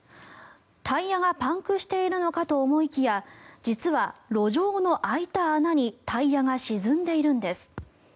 タイヤがパンクしているのかと思いきや実は、路上の開いた穴にタイヤが沈んでいるんです。